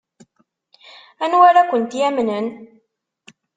Anwa ara kent-yamnen?